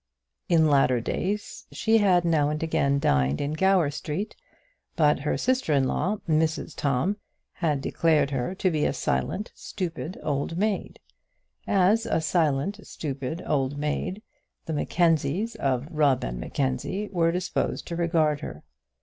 In latter days she had now and again dined in Gower Street, but her sister in law, Mrs Tom, had declared her to be a silent, stupid old maid. As a silent, stupid old maid, the Mackenzies of Rubb and Mackenzie were disposed to regard her.